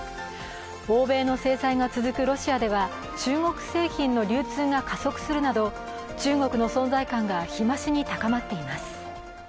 欧米の制裁が続くロシアでは中国製品の流通が加速するなど中国の存在感が日増しに高まっています。